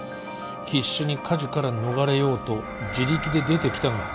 「必死に火事から逃れようと自力で出てきたが」